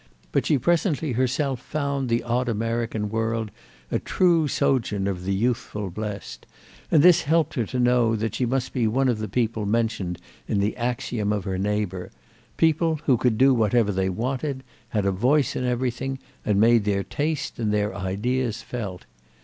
But she presently herself found the odd American world a true sojourn of the youthful blest; and this helped her to know that she must be one of the people mentioned in the axiom of her neighbour—people who could do whatever they wanted, had a voice in everything and made their taste and their ideas felt.